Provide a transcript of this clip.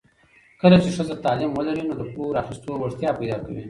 کله چې ښځه تعلیم ولري، نو د پور اخیستو وړتیا پیدا کوي.